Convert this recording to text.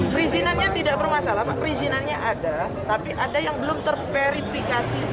prizinannya tidak bermasalah prizinannya ada tapi ada yang belum terperifikasi